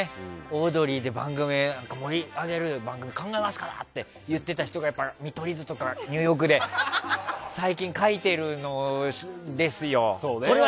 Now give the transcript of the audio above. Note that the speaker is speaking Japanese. オードリーで盛り上げる番組を考えますから！って言ってた人が見取り図とかニューヨークで最近書いてるんですよ。